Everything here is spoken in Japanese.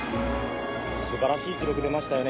素晴らしい記録出ましたよね